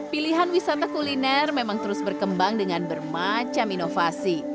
pilihan wisata kuliner memang terus berkembang dengan bermacam inovasi